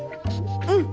うん。